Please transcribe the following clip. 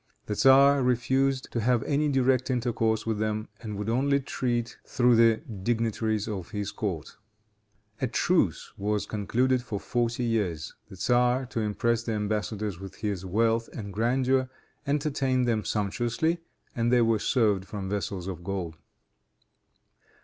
The tzar refused to have any direct intercourse with them, and would only treat through the dignitaries of his court. A truce was concluded for forty years. The tzar, to impress the embassadors with his wealth and grandeur, entertained them sumptuously, and they were served from vessels of gold.